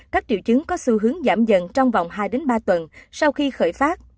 các triệu chứng có xu hướng giảm dần trong vòng hai ba tuần sau khi khởi phát